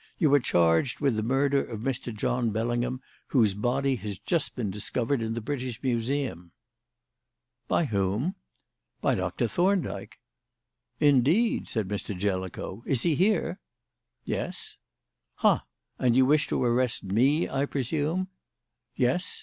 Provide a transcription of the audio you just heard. You are charged with the murder of Mr. John Bellingham, whose body has just been discovered in the British Museum." "By whom?" "By Doctor Thorndyke." "Indeed," said Mr. Jellicoe. "Is he here?" "Yes." "Ha! And you wish to arrest me, I presume?" "Yes.